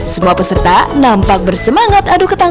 semua peserta nampak bersemangat aduk tangan